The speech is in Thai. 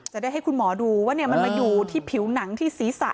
จะได้ให้คุณหมอดูว่ามันมาอยู่ที่ผิวหนังที่ศีรษะ